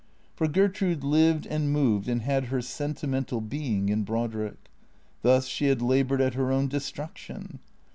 For Gertrude lived and moved and had her sentimental being in Brodrick. Thus she had laboured at her own destruction.